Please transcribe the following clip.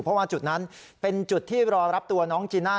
เพราะว่าจุดนั้นเป็นจุดที่รอรับตัวน้องจีน่า